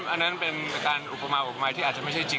เพราะฉะนั้นเนี่ยก็ถ้าเกิดมีเวลาก็จะทำความเข้าใจเพิ่มเติบนะครับ